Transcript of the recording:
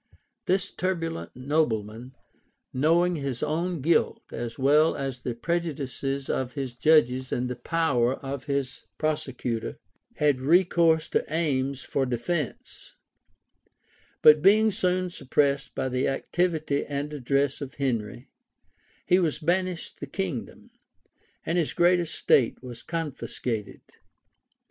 This turbulent nobleman, knowing his own guilt, as well as the prejudices of his judges and the power of his prosecutor, had recourse to aims for defence; but being soon suppressed by the activity and address of Henry, he was banished the kingdom, and his great estate was confiscated.